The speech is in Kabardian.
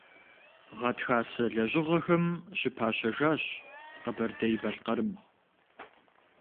Гъатхасэ лэжьыгъэхэм щыпащэжащ Къэбэрдей-Балъкъэрым.